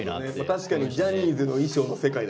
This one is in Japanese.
確かにジャニーズの衣装の世界だね。